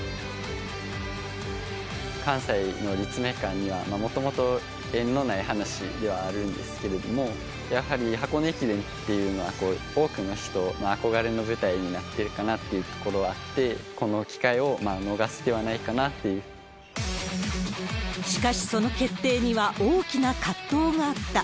関西の立命館には、もともと縁のない話ではあるんですけれども、やはり箱根駅伝っていうのは、多くの人の憧れの舞台になっているかなってところがあって、このしかし、その決定には大きな葛藤があった。